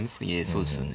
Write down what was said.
そうですよね。